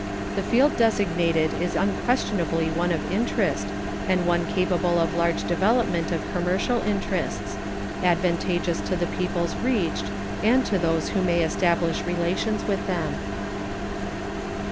The field designated is unquestionably one of interest and one capable of large development of commercial interests advantageous to the peoples reached and to those who may establish relations with them.